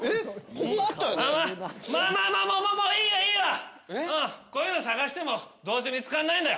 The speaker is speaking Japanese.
こういうの探してもどうせ見つからないんだよ。